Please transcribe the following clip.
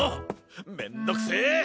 めんどくせぇ！